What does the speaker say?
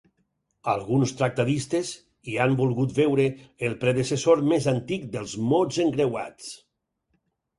Alguns tractadistes hi han volgut veure el predecessor més antic dels mots encreuats.